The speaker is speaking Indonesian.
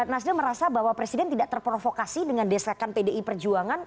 nasdem merasa bahwa presiden tidak terprovokasi dengan desakan pdi perjuangan